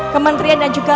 kementerian dan juga